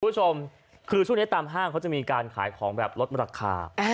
คุณผู้ชมคือช่วงนี้ตามห้างเขาจะมีการขายของแบบลดราคา